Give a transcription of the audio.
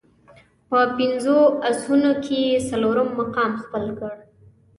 په پنځو اسونو کې یې څلورم مقام خپل کړ.